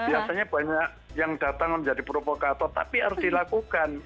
biasanya banyak yang datang menjadi provokator tapi harus dilakukan